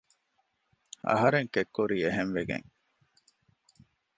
އަހަރެން ކެތް ކުރީ އެހެންވެގެން